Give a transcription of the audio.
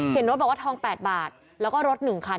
เขียนโน้ตบอกว่าทอง๘บาทแล้วก็รถ๑คัน